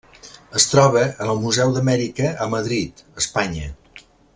Es troba en el Museu d'Amèrica a Madrid, Espanya.